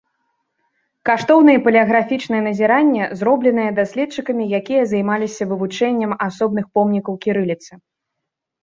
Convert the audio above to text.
Каштоўныя палеаграфічныя назірання, зробленыя даследчыкамі, якія займаліся вывучэннем асобных помнікаў кірыліцы.